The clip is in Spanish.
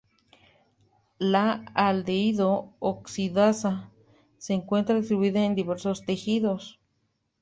La aldehído oxidasa se encuentra distribuida en diversos tejidos.